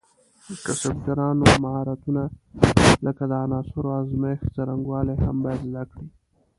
کسبګران نور مهارتونه لکه د عناصرو ازمېښت څرنګوالي هم باید زده کړي.